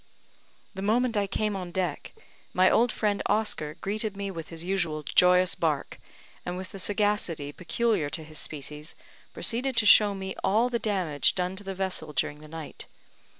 The moment I came on deck, my old friend Oscar greeted me with his usual joyous bark, and with the sagacity peculiar to his species, proceeded to shew me all the damage done to the vessel during the night.